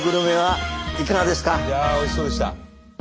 いやあおいしそうでした！